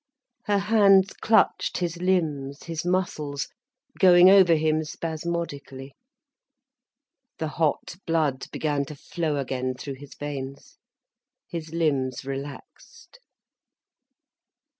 Her hands clutched his limbs, his muscles, going over him spasmodically. The hot blood began to flow again through his veins, his limbs relaxed.